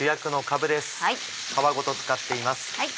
皮ごと使っています。